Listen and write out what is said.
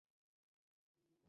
আমি সবসময়েই তা রাখি, ডক্টর।